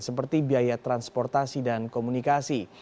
seperti biaya transportasi dan komunikasi